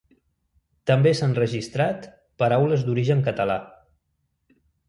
També s'han registrat paraules d'origen català.